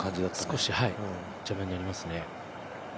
少し邪魔になりますね。